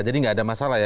jadi nggak ada masalah ya